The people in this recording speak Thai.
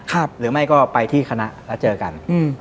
หรือไม่ก็ไปที่คณะแล้วเจอกันอืม